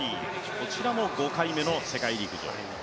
こちらも５回目の世界陸上。